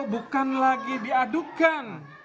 bukan lagi diadukan